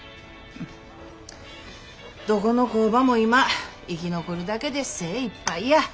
どこの工場も今生き残るだけで精いっぱいや。